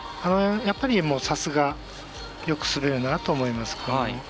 やっぱり、さすがよく滑るなと思います。